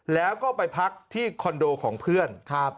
แล้วก็ไปพักที่คอนโดของเพื่อน